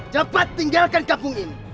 cepat tinggalkan kampung ini